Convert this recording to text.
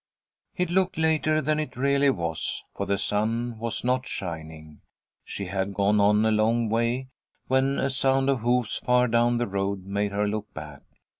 It looked later than it really was, for the sun was not shining. She had gone on a long way, when a sound of hoofs far down the road made her look back.